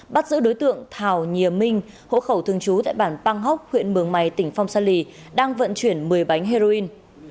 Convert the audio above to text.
bắt giữ đối tượng thảo nhìa minh hỗ khẩu thương chú tại bản pang hóc huyện mường mày tỉnh phong sa lì đang vận chuyển một mươi bánh heroin